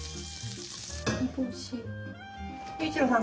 雄一郎さん